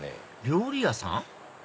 料理屋さん？